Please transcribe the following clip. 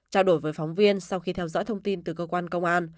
trao đổi với phóng viên sau khi theo dõi thông tin từ cơ quan công an